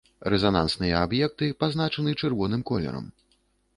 Рэзанансныя аб'екты пазначаны чырвоным колерам.